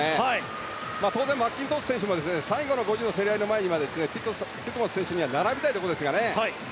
当然、マッキントッシュ選手も最後の５０ｍの競り合いの前にはティットマス選手には並びたいところです。